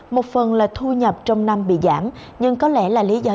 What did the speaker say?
một phần là thu nhập trong năm bị giảm nhưng có lẽ là lý do